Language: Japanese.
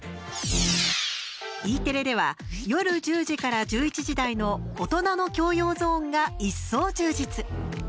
Ｅテレでは夜１０時から１１時台の大人の教養ゾーンが一層、充実。